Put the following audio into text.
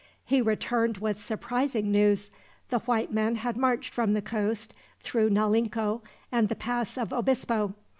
He returned with surprising news. The white men had marched from the coast through Naulinco and the Pass of Obispo.